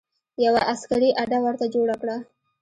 یوه عسکري اډه ورته جوړه کړه.